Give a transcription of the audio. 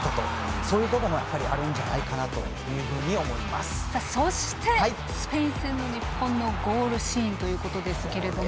そういうこともあるんじゃないかなというふうにそして、スペイン戦の日本のゴールシーンですけども。